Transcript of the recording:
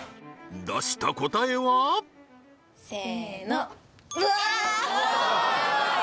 出した答えは？せーのうわー！